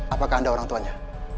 apakah anda orang tuanya